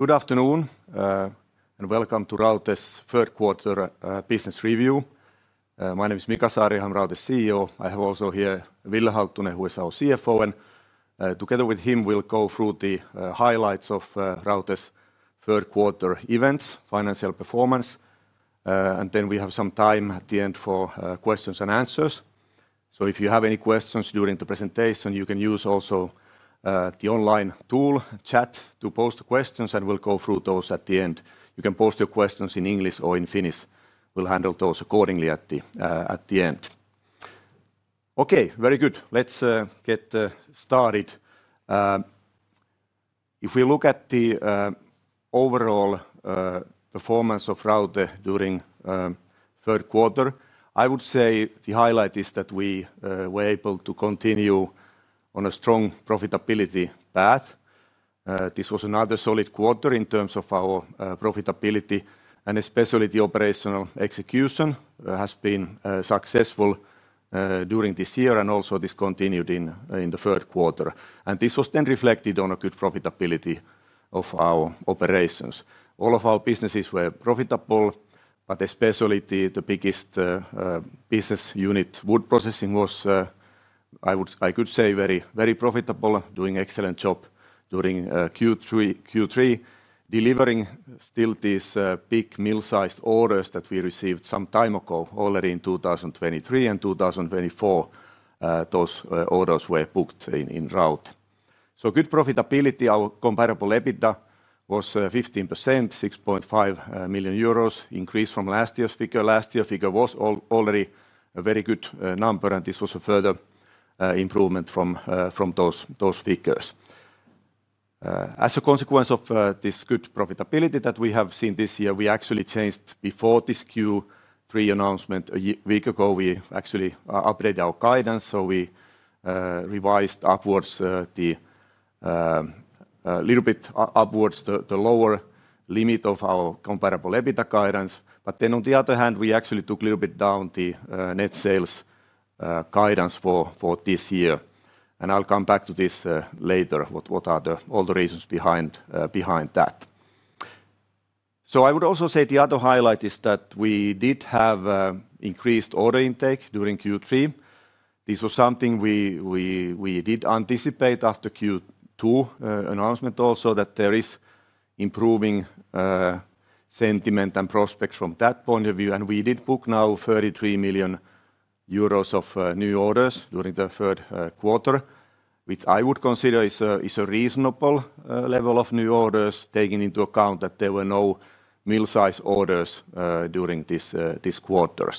Good afternoon and welcome to Raute's third quarter business review. My name is Mika Saariaho, I'm Raute's CEO. I have also here Ville Halttunen, who is our CFO. Together with him we'll go through the highlights of Raute's third quarter events, financial performance, and then we have some time at the end for questions and answers. If you have any questions during the presentation, you can use also the online tool Chat to post questions and we'll go through those at the end. You can post your questions in English or in Finnish. We'll handle those accordingly at the end. Okay, very good. Let's get started. If we look at the overall performance of Raute during third quarter, I would say the highlight is that we were able to continue on a strong profitability path. This was another solid quarter in terms of our profitability and especially the operational execution has been successful during this year and also continued in the third quarter. This was then reflected on a good profitability of our operations. All of our businesses were profitable, but especially the biggest business unit, wood processing, was, I could say, very, very profitable. Doing excellent job during Q3. Q3 delivering still these big mill sized orders that we received some time ago. Already in 2023 and 2024, those orders were booked in Raute. Good profitability. Our comparable EBITDA was 15%, 6.5 million euros increase from last year's figure. Last year figure was already a very good number and this was a further improvement from those figures. As a consequence of this good profitability that we have seen this year, we actually changed before this Q3 announcement a week ago we actually upgraded our guidance. We revised upwards, a little bit upwards, the lower limit of our comparable EBITDA guidance. On the other hand, we actually took a little bit down the net sales guidance for this year. I'll come back to this later. What are all the reasons behind that? I would also say the other highlight is that we did have increased order intake during Q3. This was something we did anticipate after Q2 announcement. Also that there is improving sentiment and prospects from that point of view. We did book now 33 million euros of new orders during the third quarter, which I would consider is a reasonable level of new orders, taking into account that there were no mill size orders during this quarter.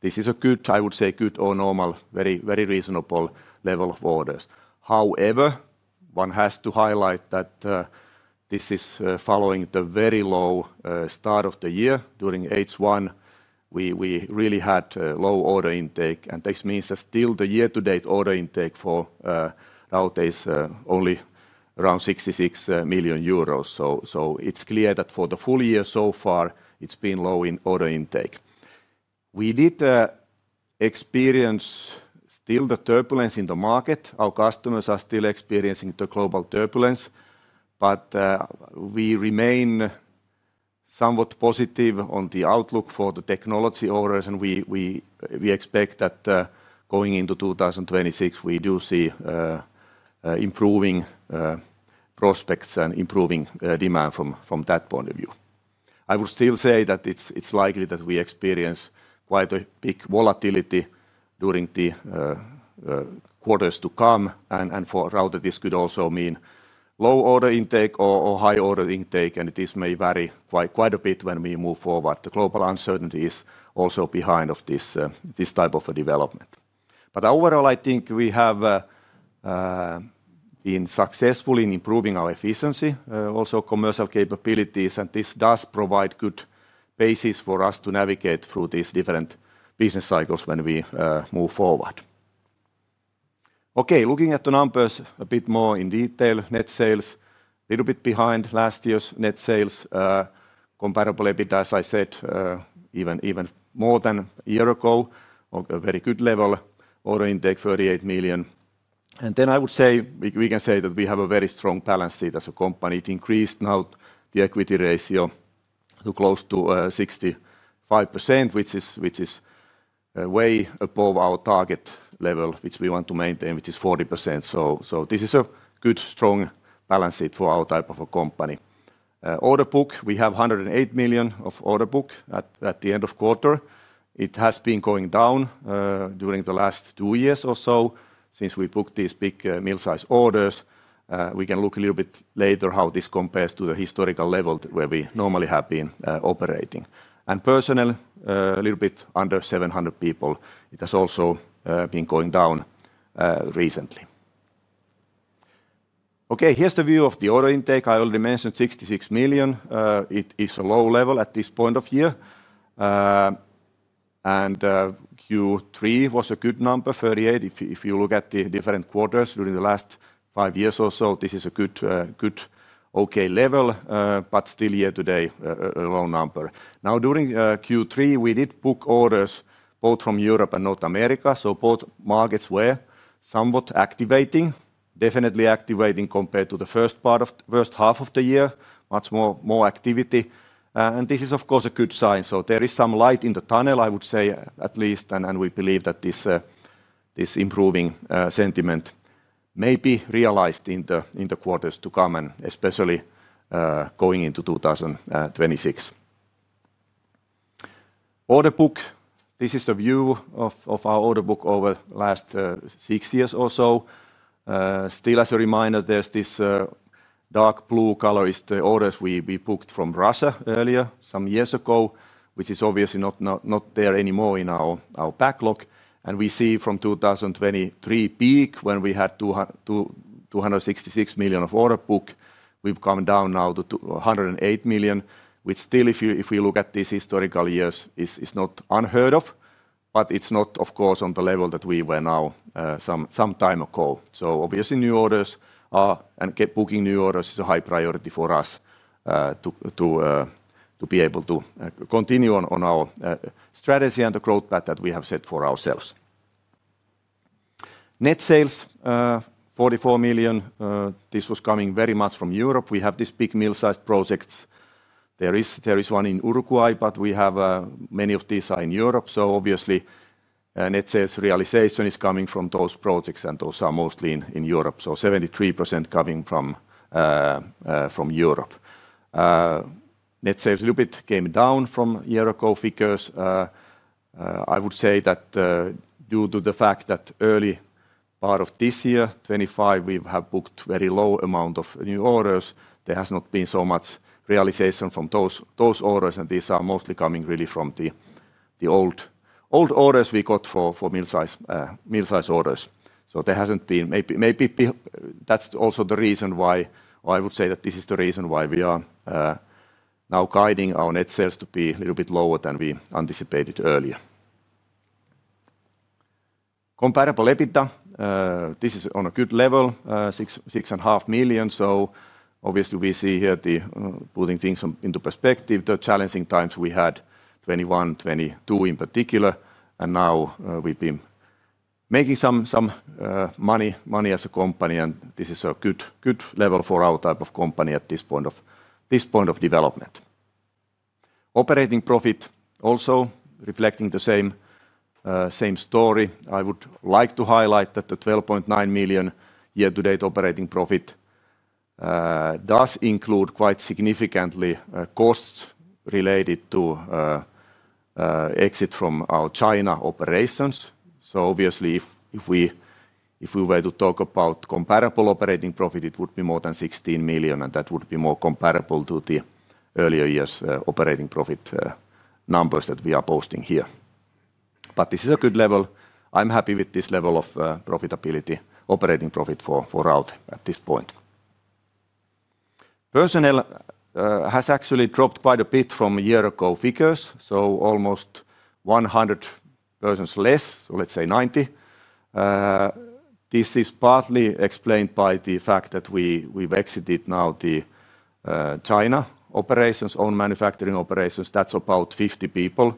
This is a good, I would say good or normal, very, very reasonable level of orders. However, one has to highlight that this is following the very low start of the year. During H1, we really had low order intake and this means that still the year to date order intake for Raute is only around 66 million euros. It's clear that for the full year so far it's been low in order intake. We did experience still the turbulence in the market. Our customers are still experiencing the global turbulence. We remain somewhat positive on the outlook for the technology orders. We expect that going into 2026 we do see improving prospects and improving demand from that point of view. I would still say that it's likely that we experience quite a big volatility during the quarters to come. For Raute this could also mean low order intake or high order intake. This may vary quite a bit when we move forward. The global uncertainty is also behind this type of development. Overall, I think we have been successful in improving our efficiency, also commercial capabilities. This does provide good basis for us to navigate through these different business cycles when we move forward. Okay, looking at the numbers a bit more in detail, net sales a little bit behind last year's net sales, comparable EBITDA as I said, even more than a year ago, a very good level. Order intake, 38 million. I would say we can say that we have a very strong balance sheet as a company. It increased now the equity ratio to close to 65% which is way above our target level, which we want to maintain, which is 40%. This is a good strong balance sheet for our type of a company. Order book, we have 108 million of order book at the end of quarter. It has been going down during the last two years or so since we booked these big mill size orders. We can look a little bit later how this compares to the historical level where we normally have been operating and personnel a little bit under 700 people. It has also been going down recently. Okay, here's the view of the order intake I already mentioned. 66 million. It is a low level at this point of year. Q3 was a good number, 38 million. If you look at the different quarters during the last year, five years or so, this is a good, good okay level but still year to date a low number. Now during Q3 we did book orders both from Europe and North America. Both markets were somewhat activating. Definitely activating compared to the first part of first half of the year, much more, more activity. This is of course a good sign. There is some light in the tunnel I would say at least. We believe that this improving sentiment may be realized in the quarters to come, especially going into 2026. Order book, this is the view of our order book over the last six years or so. Still as a reminder, there's this dark blue colorist orders we booked from Russia earlier some years ago which is obviously not there anymore in our backlog. We see from 2023 peak when we had 266 million of order book we've come down now to 108 million, which still if we look at these historical years it's not unheard of, but it's not of course on the level that we were now some time ago. Obviously new orders and booking new orders is a high priority for us to be able to continue on our strategy and the growth path that we have set for ourselves. Net sales 44 million. This was coming very much from Europe. We have this big middle sized project, there is one in Uruguay, but many of these are in Europe. Obviously net sales realization is coming from those projects and those are mostly in Europe. 73% coming from Europe. Net sales a little bit came down from year ago figures. I would say that due to the fact that early part of this year 2025 we have booked very low amount of new orders, there has not been so much realization from those orders and these are mostly coming really from the old orders we got for middle size orders. There hasn't been. Maybe that's also the reason why. I would say that this is the reason why we are now guiding our net sales to be a little bit lower than we anticipated earlier. Comparable EBITDA. This is on a good level, 6.5 million. We see here putting things into perspective the challenging times we had 2021, 2022 in particular, and now we've been making some money as a company and this is a good level for our type of company at this point of development. Operating profit also reflecting the same story, I would like to highlight that the 12.9 million year to date operating profit does include quite significantly costs related to exit from our China operations. If we were to talk about comparable operating profit it would be more than 16 million and that would be more comparable to the earlier years operating profit numbers that we are posting here. This is a good level. I'm happy with this level of profitability operating profit for Raute at this point. Personnel has actually dropped quite a bit from a year ago figures, so almost 100 persons less, so let's say 90. This is partly explained by the fact that we've exited now the China operations, own manufacturing operations, that's about 50 people,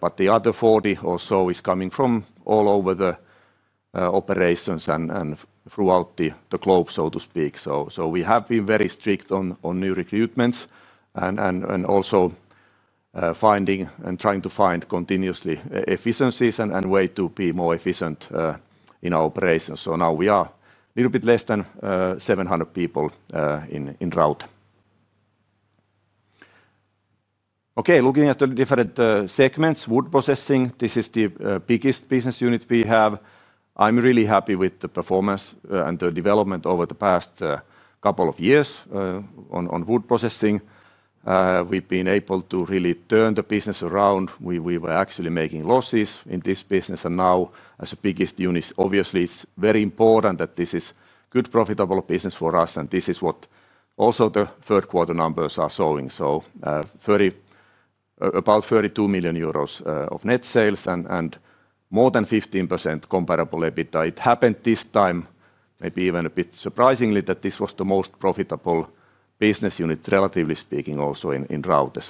but the other 40 or so is coming from all over the operations and throughout the globe, so to speak. We have been very strict on new recruitments and also finding and trying to find continuously efficiencies and way to be more efficient in our operations. Now we are a little bit less than 700 people in Raute. Looking at the different segments, wood processing, this is the biggest business unit we have. I'm really happy with the performance and the development over the past couple of years on wood processing. We've been able to really turn the business around. We were actually making losses in this business. Now as the biggest units, obviously it's very important that this is good, profitable business for us. This is what also the third quarter numbers are showing about 32 million euros of net sales and more than 15% comparable EBITDA. It happened this time, maybe even a bit surprisingly, that this was the most profitable business unit, relatively speaking, also in Raute.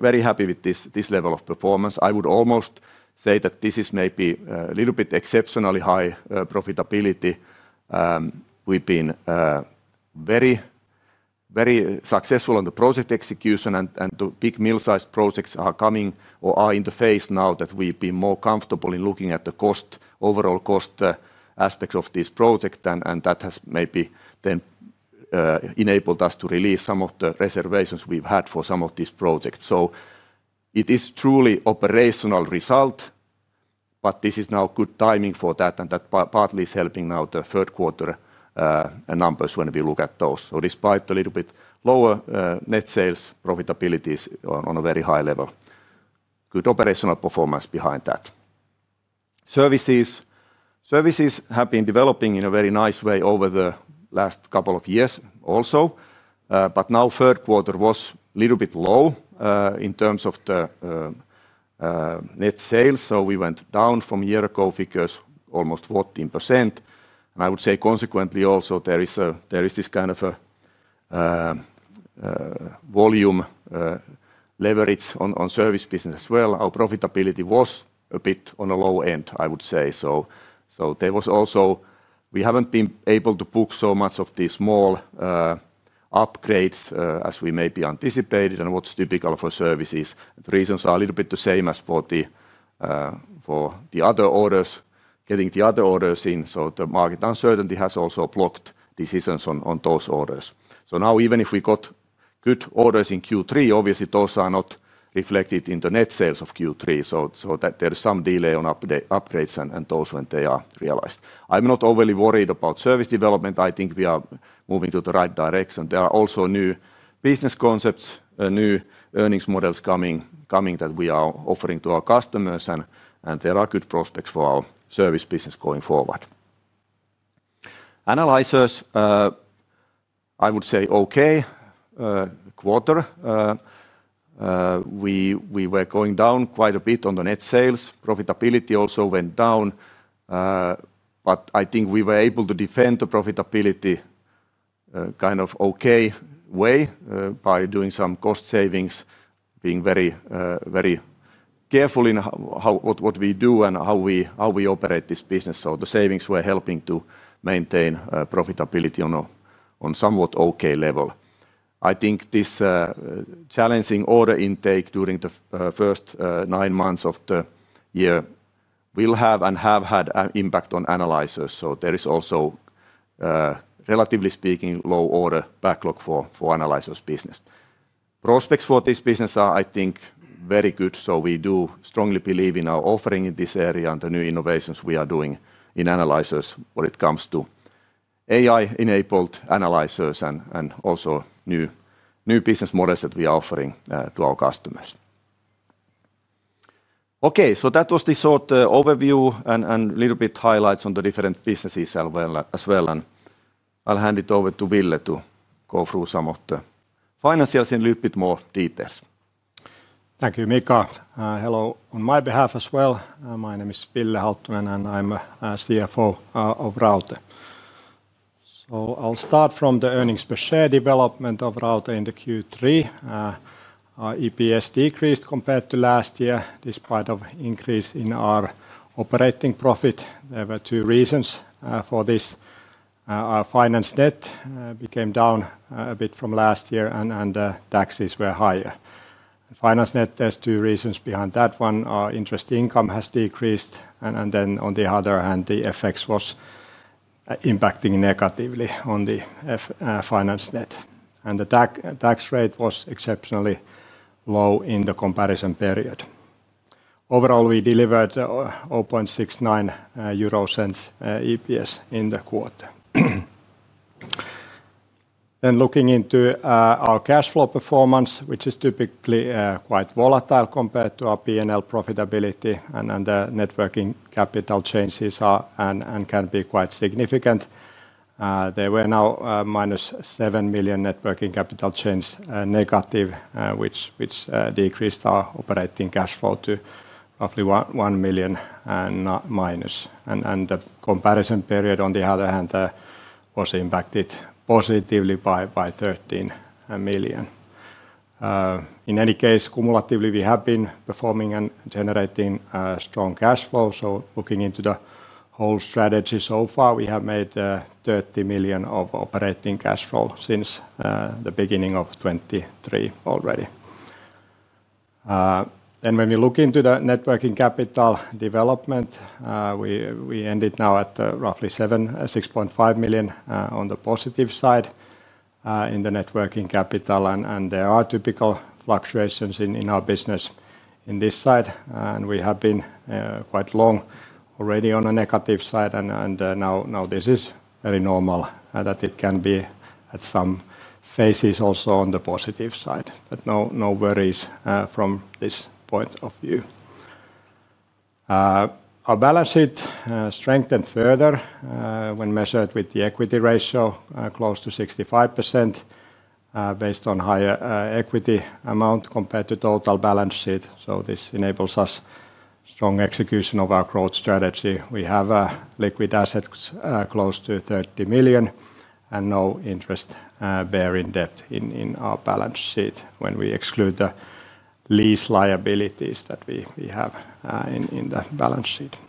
Very happy with this level of performance. I would almost say that this is maybe a little bit exceptionally high profitability. We've been very successful on the project execution and the big middle sized projects are coming or are in the phase now that we've been more comfortable in looking at the cost, overall cost aspects of this project. That has maybe then enabled us to release some of the reservations we've had for some of these projects. It is truly operational result. This is now good timing for that and that partly is helping now the third quarter numbers when we look at those. Despite a little bit lower net sales, profitability is on a very high level. Good operational performance behind that. Services have been developing in a very nice way over the last couple of years also. Now third quarter was a little bit low in terms of the net sales. We went down from year ago figures almost 14% and I would say consequently also there is this kind of a volume leverage on service business as well. Our profitability was a bit on a low end, I would say. We haven't been able to book so much of these small upgrades as we maybe anticipated. What's typical for services, the reasons are a little bit the same as for the other orders, getting the other orders in. The market uncertainty has also blocked decisions on those orders. Even if we got good orders in Q3, obviously those are not reflected in the net sales of Q3. There is some delay on upgrades and those, when they are realized, I'm not overly worried about service development. I think we are moving in the right direction. There are also new business concepts, new earnings models coming that we are offering to our customers, and there are good prospects for our service business going forward. Analyzers, I would say, had an okay quarter. We were going down quite a bit on the net sales. Profitability also went down, but I think we were able to defend the profitability in a kind of okay way by doing some cost savings, being very, very careful in what we do and how we operate this business. The savings were helping to maintain profitability on a somewhat okay level. I think this challenging order intake during the first nine months of the year will have and have had an impact on Analyzers. There is also, relatively speaking, low order backlog for Analyzers business. Prospects for this business are, I think, very good. We do strongly believe in our offering in this area and the new innovations we are doing in Analyzers when it comes to AI-enabled analyzers and also new business models that we are offering to our customers. That was the sort of overview and a little bit of highlights on the different businesses as well. I'll hand it over to Ville to go through some of the finances in a little bit more detail. Thank you Mika, hello on my behalf as well. My name is Ville Halttunen and I'm CFO of Raute. I'll start from the earnings per share development of Raute in Q3. Our EPS decreased compared to last year despite an increase in our operating profit. There were two reasons for this. Our finance net came down a bit from last year and taxes were higher. Finance net, there's two reasons behind that. One, interest income has decreased and then on the other hand the FX was impacting negatively on the finance net and the tax rate was exceptionally low in the comparison period. Overall, we delivered 0.69 EPS in the quarter. Looking into our cash flow performance, which is typically quite volatile compared to our P&L profitability, net working capital changes can be quite significant. There was now a -7 million net working capital change, negative, which decreased our operating cash flow to roughly -1 million, and the comparison period on the other hand was impacted positively by 13 million. In any case, cumulatively we have been performing and generating strong cash flow. Looking into the whole strategy so far, we have made 30 million of operating cash flow since the beginning of 2023 already. When we look into the net working capital development, we ended now at roughly 6.5 million on the positive side in the net working capital. There are typical fluctuations in our business on this side and we have been quite long already on a negative side. This is very normal that it can be at some phases also on the positive side. No worries from this point of view. Our balance sheet strengthened further when measured with the equity ratio, close to 65%, based on higher equity amount compared to total balance sheet. This enables us strong execution of our growth strategy. We have liquid assets close to 30 million and no interest-bearing debt in our balance sheet when we exclude the lease liabilities that we have in the balance sheet.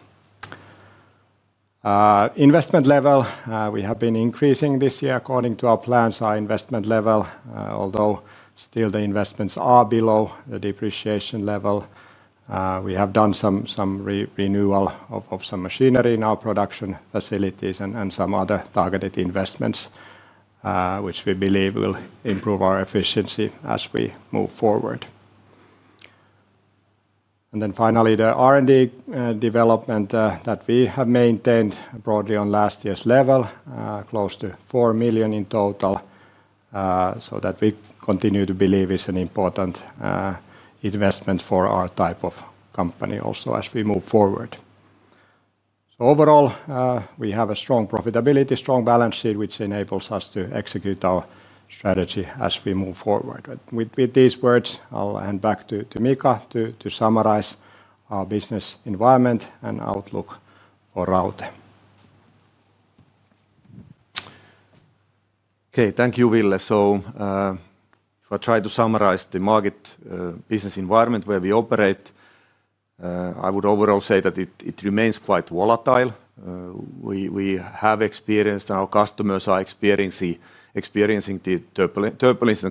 Investment level, we have been increasing this year according to our plans. Our investment level, although still, the investments are below the depreciation level. We have done some renewal of some machinery in our production facilities and some other targeted investments which we believe will improve our efficiency as we move forward. Finally, the R&D development that we have maintained broadly on last year's level, close to 4 million in total, we continue to believe is an important investment for our type of company as we move forward. Overall, we have strong profitability, strong balance sheet, which enables us to execute our strategy as we move forward. With these words, I'll hand back to Mika to summarize our business environment and outlook for Raute. Okay, thank you Ville. If I try to summarize the market business environment where we operate, I would overall say that it remains quite volatile. We have experienced, our customers are experiencing the turbulence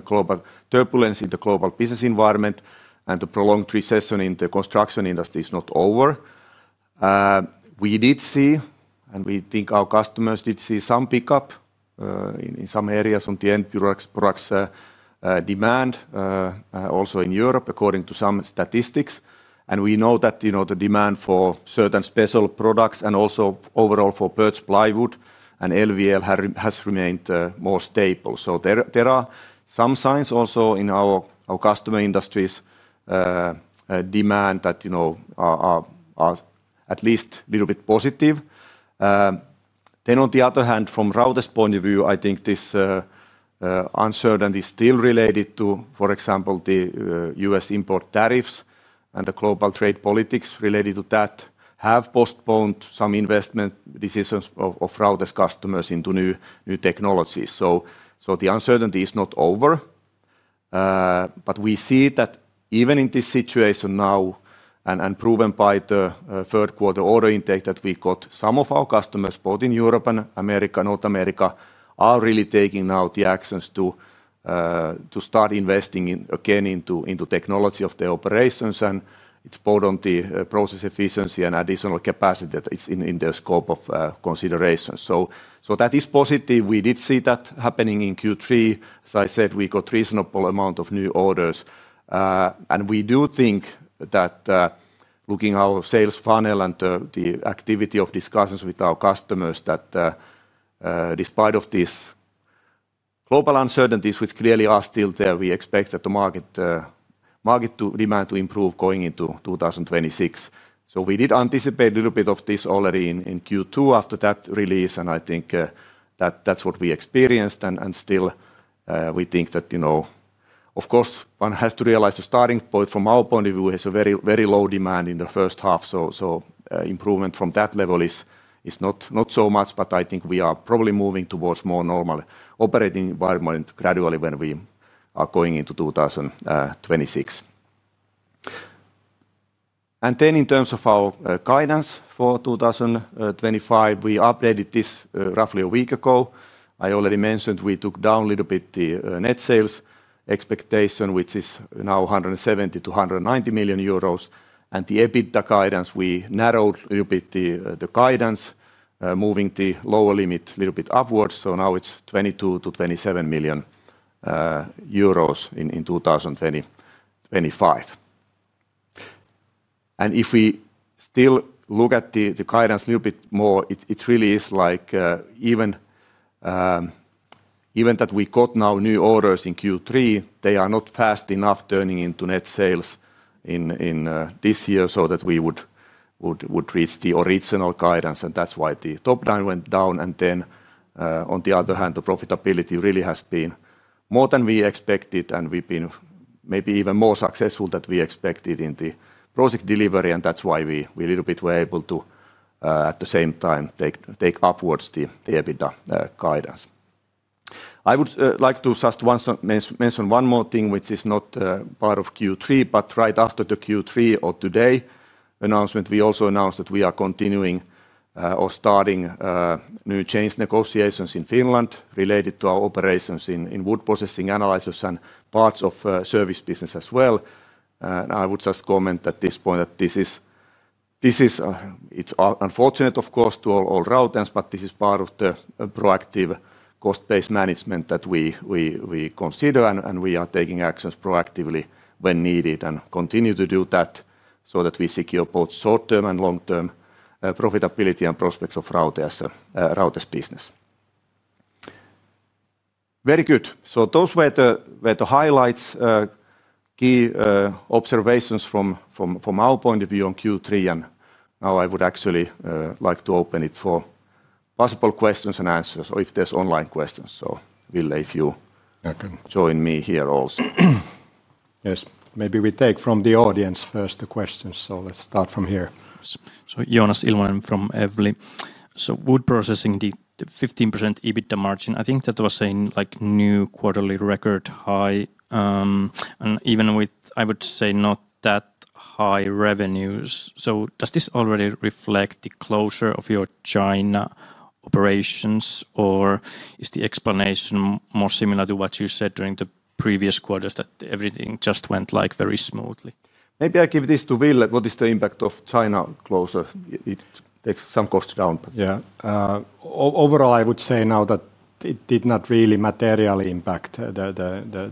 in the global business environment and the prolonged recession in the construction industry is not over. We did see, and we think our customers did see some pickup in some areas on the end products demand also in Europe according to some statistics and we know that the demand for certain special products and also overall for birch plywood and LVL has remained more stable. There are some signs also in our customer industries demand that, you know, are at least a little bit positive. On the other hand, from Raute's point of view, I think this uncertainty still related to, for example, the U.S. import tariffs and the global trade politics related to that have postponed some investment decisions of Raute's customers into new technologies. The uncertainty is not over. We see that even in this situation now and proven by the third quarter order intake that we got some of our customers both in Europe and North America are really taking now the actions to start investing again into technology of the operations. It's both on the process efficiency and additional capacity that is in the scope of consideration. That is positive. We did see that happening in Q3. As I said, we got reasonable amount of new orders and we do think that looking at our sales funnel and the activity of discussions with our customers, that despite these global uncertainties which clearly are still there, we expect that the market to remain to improve going into 2026. We did anticipate a little bit of this already in Q2 after that release. I think that's what we experienced. We think that of course one has to realize the starting point. From our point of view, it's a very low demand in the first half. Improvement from that level is not so much. I think we are probably moving towards more normal operating environment gradually when we are going into 2026. In terms of our guidance for 2025, we updated this roughly a week ago. I already mentioned we took down a little bit the net sales expectation which is now 170 million-190 million euros. The EBITDA guidance, we narrowed a little bit the guidance moving the lower limit a little bit upwards. Now it's 22 million-27 million euros in 2025. If we still look at the guidance a little bit more, it really is like even that we got now new orders in Q3, they are not fast enough turning into net sales in this year so that we would reach the original guidance. That's why the top line went down on the other hand, the profitability really has been more than we expected and we've been maybe even more successful than we expected in the project delivery. That's why we a little bit were able to at the same time take upwards the EBITDA guidance. I would like to just mention one more thing which is not part of Q3, but right after the Q3 or today announcement we also announced that we are continuing or starting new change negotiations in Finland related to our operations in wood processing, analysis and parts of service business as well. I would just comment at this point that this is unfortunate of course to all routines, but this is part of the proactive cost based management that we consider and we are taking actions proactively when needed and continue to do that so that we secure both short term and long term profitability and prospects of Raute's business. Very good. Those were the highlights, key observations from our point of view on Q3. I would actually like to open it for possible questions and answers or if there's online questions. Ville, if you join me here also. Yes, maybe we take questions from the audience first. Let's start from here. Joonas Ilvonen from Evli. The wood processing business unit did a 15% EBITDA margin. I think that was a new quarterly record high, and even with, I would say, not that high revenues. Does this already reflect the closure of your China operations, or is the explanation more similar to what you said during the previous quarters, that everything just went very smoothly? Maybe I give this to Ville. What is the impact of China closure? It takes some cost down. Overall, I would say now that it did not really materially impact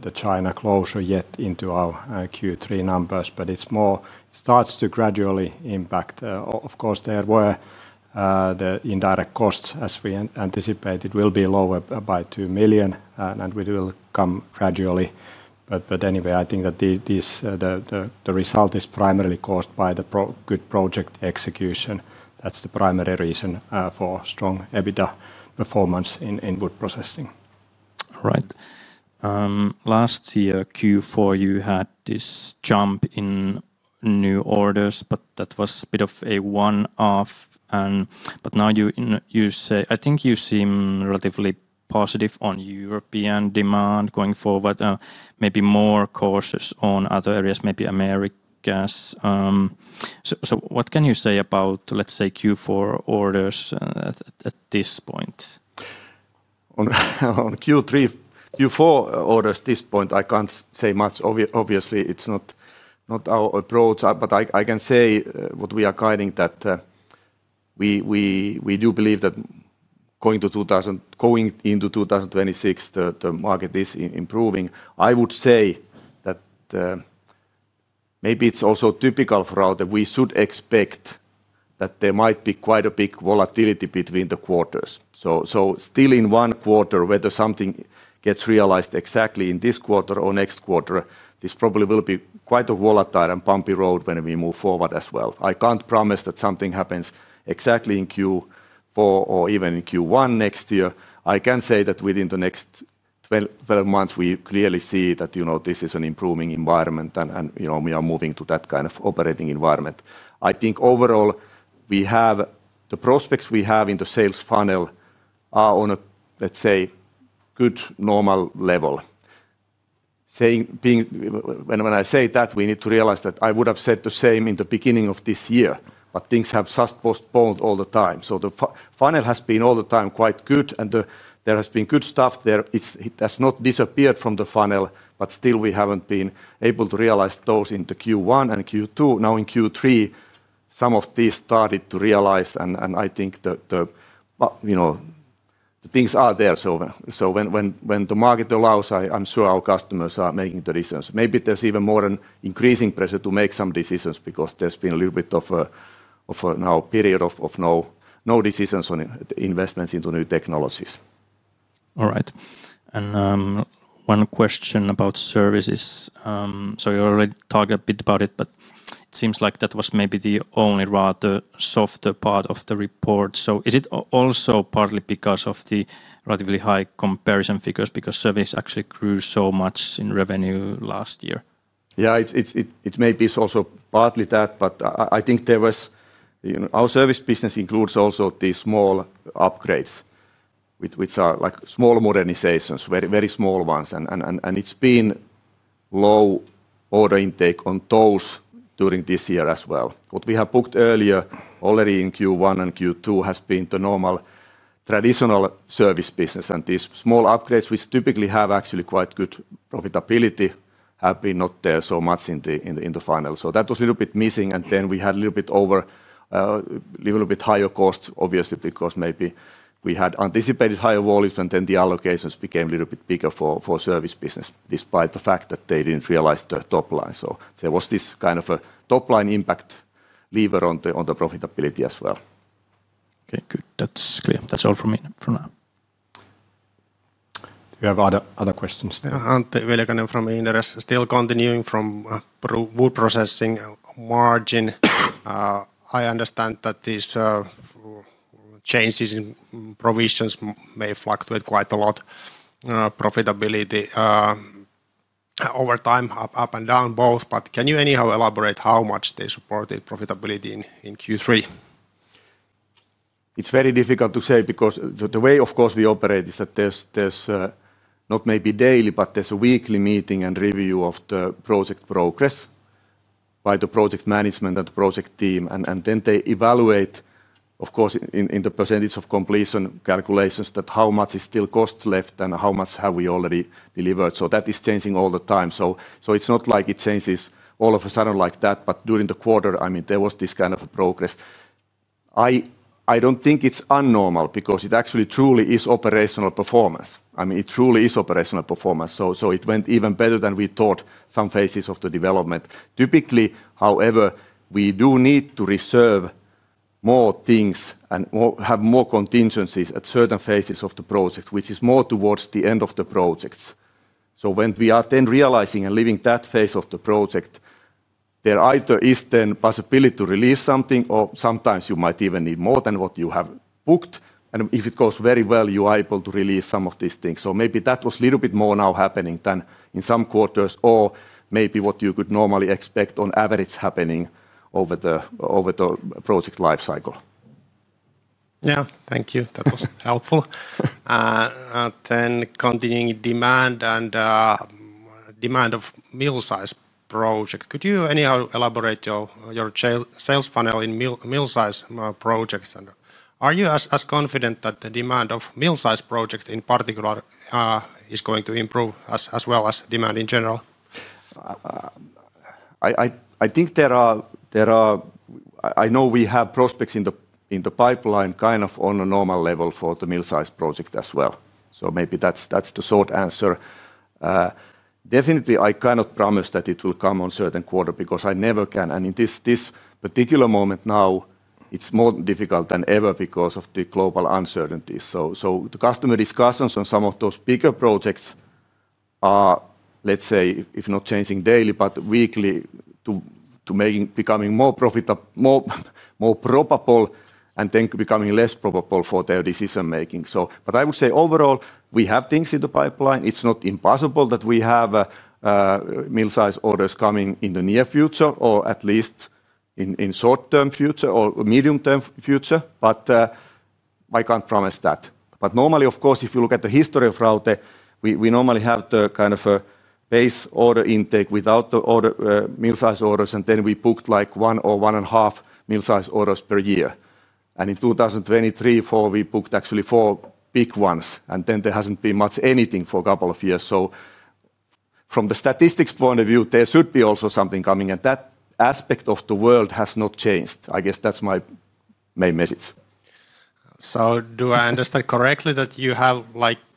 the China closure yet into our Q3 numbers, but it starts to gradually impact. Of course, there were the indirect costs as we anticipated will be lower by 2 million and will come gradually. Anyway, I think that the result is primarily caused by the good project execution. That's the primary reason for strong EBITDA performance in wood processing. Right. Last year Q4 you had this jump in new orders, but that was a bit of a one off. Now I think you seem relatively positive on European demand going forward. Maybe more courses on other areas, maybe Americas. What can you say about, let's say, Q4 orders at this point. On Q3, Q4 orders, at this point I can't say much. Obviously it's not our approach, but I can say what we are guiding, that we do believe that going into 2026, the market is improving. I would say that maybe it's also typical for Raute that we should expect that there might be quite a big volatility between the quarters. Still, in one quarter, whether something gets realized exactly in this quarter or next quarter, this probably will be quite a volatile and bumpy road when we move forward as well. I can't promise that something happens exactly in Q4 or even in Q1 next year. I can say that within the next months we clearly see that this is an improving environment and we are moving to that kind of operating environment. I think overall the prospects we have in the sales funnel are on a, let's say, good normal level. When I say that, we need to realize that I would have said the same in the beginning of this year, but things have just postponed all the time. The funnel has been all the time quite good and there has been good stuff there. It has not disappeared from the funnel, but still we haven't been able to realize those in Q1 and Q2. Now in Q3 some of these started to realize and I think the things are there. When the market allows, I'm sure our customers are making the decisions. Maybe there's even more increasing pressure to make some decisions because there's been a little bit of a period of no decisions on investments into new technologies. All right. One question about services. You already talked a bit about it, but it seems like that was maybe the only rather softer part of the report. Is it also partly because of the relatively high comparison figures because services actually grew so much in revenue last year? Yeah, it may be also partly that, but I think our service business includes also these small upgrades, which are like small modernizations, very small ones, and it's been low order intake on those during this year as well. What we have booked earlier already in Q1 and Q2 has been the normal traditional service business. These small upgrades, which typically have actually quite good profitability, have not been there so much in the final. That was a little bit missing. We had a little bit higher costs, obviously, because maybe we had anticipated higher volumes, and the allocations became a little bit bigger for service business despite the fact that they didn't realize the top line. There was this kind of a top line impact lever on the profitability as well. Okay, good, that's clear. That's all for me for now. Do you have other questions there? Antti Viljakainen from Inderes, still continuing from Wood Processing margin. I understand that these changes in provisions may fluctuate quite a lot, profitability over time, up and down both. Can you anyhow elaborate how much they supported profitability in Q3? It's very difficult to say because the way of course we operate is that there's not maybe daily, but there's a weekly meeting and review of the project progress by the project management and project team. They evaluate of course in the percentage of completion calculations how much is still cost left and how much have we already delivered. That is changing all the time. It's not like it changes all of a sudden like that. During the quarter, there was this kind of progress. I don't think it's unnormal because it actually truly is operational performance. It truly is operational performance. It went even better than we thought. Some phases of the development typically, however, we do need to reserve more things and have more contingencies at certain phases of the project, which is more towards the end of the project. When we are then realizing and leaving that phase of the project, there either is then possibility to release something or sometimes you might even need more than what you have booked and if it goes very well, you are able to release some of these things. Maybe that was a little bit more now happening than in some quarters or maybe what you could normally expect on average happening over the project life cycle. Thank you, that was helpful. Continuing demand and demand of middle size project, could you anyhow elaborate your sales funnel in middle size projects? Are you as confident that the demand of mill size projects in particular is going to improve as well as demand in general? I think there are, I know we have prospects in the pipeline kind of on a normal level for the mill size project as well. Maybe that's the short answer. Definitely, I cannot promise that it will come on a certain quarter because I never can, and in this particular moment now it's more difficult than ever because of the global uncertainty. The customer discussions on some of those bigger projects are, let's say, if not changing daily, then weekly to making, becoming more probable, and then becoming less probable for their decision making. I would say overall we have things in the pipeline. It's not impossible that we have mill size orders coming in the near future or at least in short term future or medium term future. I can't promise that. Normally, of course, if you look at the history of Raute, we normally have the kind of a base order intake without the mill size orders, and then we booked like one or one and a half mill size orders per year, and in 2023, we booked actually four big ones, and then there hasn't been much anything for a couple of years. From the statistics point of view, there should be also something coming, and that aspect of the world has not changed. I guess that's my main message. Do I understand correctly that you have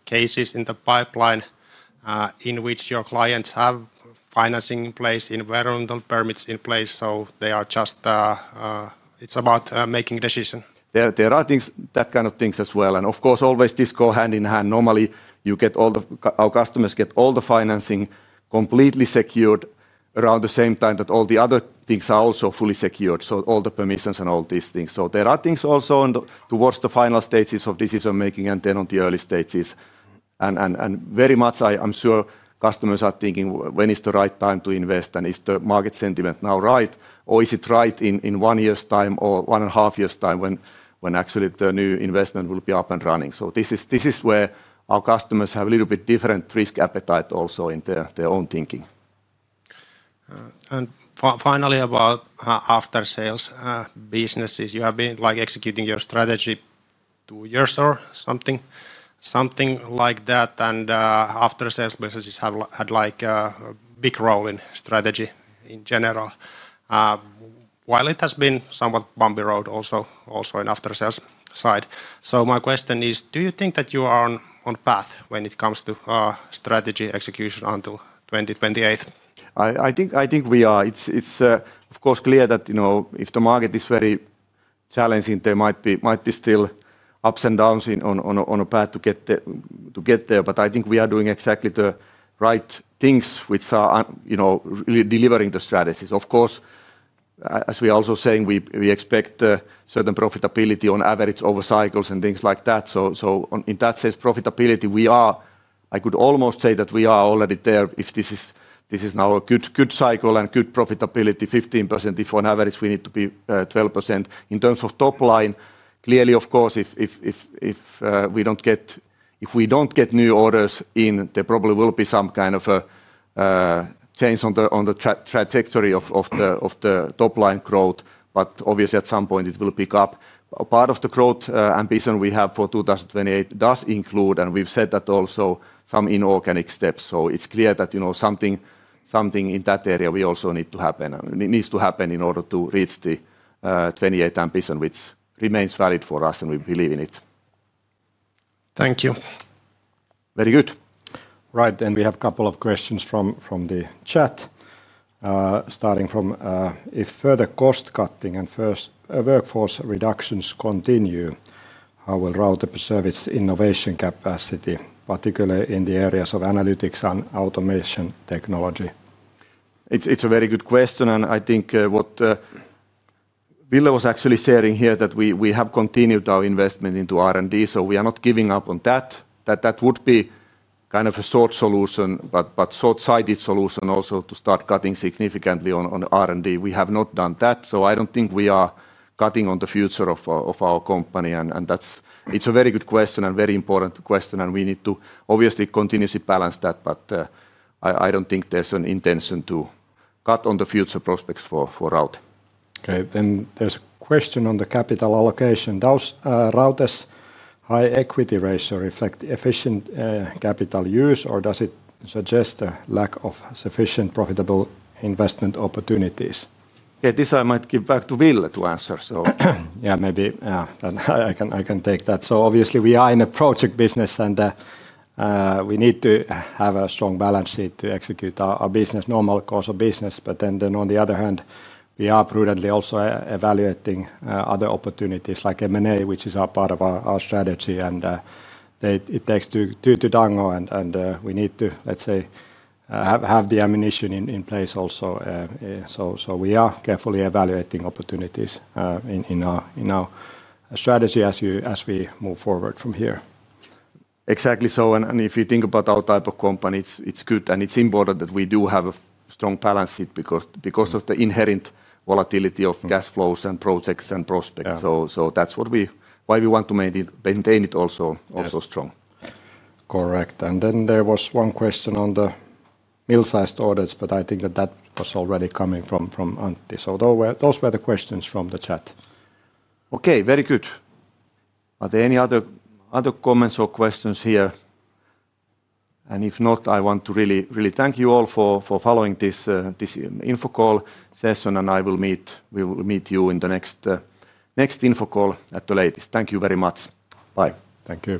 cases in the pipeline in which your clients have financing in place, environmental permits in place, so they are just about making a decision? There are things like that as well. Of course, these always go hand in hand. Normally, our customers get all the financing completely secured around the same time that all the other things are also fully secured, so all the permissions and all these things. There are things also towards the final stages of decision making and then on the early stages, and very much I'm sure customers are thinking when is the right time to invest and is the market sentiment now right or is it right in one year's time or one and a half years' time when actually the new investment will be up and running? This is where our customers have a little bit different risk appetite also in their own thinking. Finally, about after-sales businesses, you have been executing your strategy two years or something like that. After-sales messages have had a big role in strategy in general, while it has been a somewhat bumpy road also in after-sales side. My question is, do you think that you are on path when it comes to strategy execution until 2028? I think we are. It's of course clear that if the market is very challenging, there might be still ups and downs on a path to get there. I think we are doing exactly the right things which are delivering the strategies. Of course, as we also say, we expect certain profitability on average over cycles and things like that. In that sense, profitability, I could almost say that we are already there if this is now a good cycle and good profitability, 15%. If on average we need to be 12% in terms of top line. Clearly, of course, if we don't get new orders in, there probably will be some kind of a change on the trajectory of the top line growth. Obviously, at some point it will pick up. Part of the growth ambition we have for 2028 does include, and we've said that also, some inorganic steps. It's clear that something in that area also needs to happen in order to reach the 2028 ambition, which remains valid for us and we believe in it. Thank you. Very good. Right, then we have a couple of questions from the chat, starting from if further cost cutting and first workforce reductions continue, how will Raute preserve its innovation capacity, particularly in the areas of analytics and automation technology? It's a very good question and I think what Ville was actually sharing here is that we have continued our investment into R&D. We are not giving up on that. That would be kind of a short solution, but a short-sighted solution also to start cutting significantly on R&D. We have not done that. I don't think we are cutting on the future of our company. It's a very good question and very important question, and we need to obviously continuously balance that. I don't think there's an intention to cut on the future prospects for Raute. Okay, then there's a question on the capital allocation. Does Raute's high equity ratio reflect efficient capital use or does it suggest a lack of sufficient profitable investment opportunities? This I might give back to Ville to answer. Yeah, maybe I can take that. Obviously, we are in a project business and we need to have a strong balance sheet to execute our business, normal course of business. On the other hand, we are prudently also evaluating other opportunities like M&A, which is part of our strategy and it takes two to tango and we need to, let's say, have the ammunition in place also. We are carefully evaluating opportunities in our strategy as we move forward from here. Exactly. If you think about our type of company, it's good, and it's important that we do have a strong balance sheet because of the inherent volatility of cash flows and projects and prospects. That's why we want to maintain it also strong. Correct. There was one question on the middle sized audits, but I think that was already coming from Antti. Those were the questions from the chat. Okay, very good. Are there any other comments or questions here? If not, I want to really, really thank you all for following this info call session. We will meet you in the next info call at the latest. Thank you very much. Bye. Thank you.